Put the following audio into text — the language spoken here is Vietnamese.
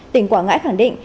tỉnh quảng ngãi khẳng định